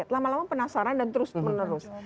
lama lama penasaran dan terus menerus